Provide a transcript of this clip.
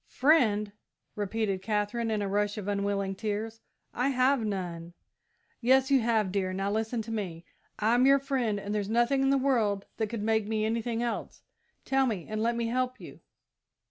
"Friend?" repeated Katherine, in a rush of unwilling tears; "I have none!" "Yes you have, dear; now listen to me. I'm your friend, and there's nothing in the world that could make me anything else. Tell me, and let me help you!"